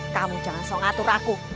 kamu jangan so ngatur aku